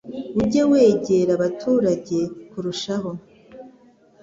uge wegera abaturage kurushaho,